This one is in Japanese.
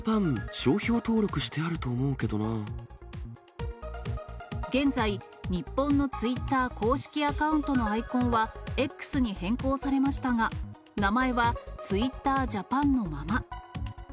商標登録してあ現在、日本のツイッター公式アカウントのアイコンは、Ｘに変更されましたが、名前はツイッタージャパンのまま。